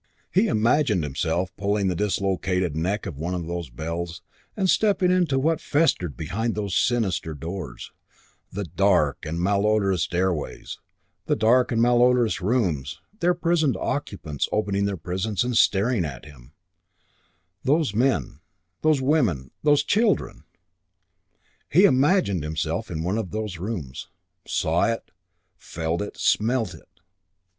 He imagined himself pulling the dislocated neck of one of those bells and stepping into what festered behind those sinister doors: the dark and malodorous stairways, the dark and malodorous rooms, their prisoned occupants opening their prisons and staring at him, those women, those men, those children. He imagined himself in one of those rooms, saw it, felt it, smelt it.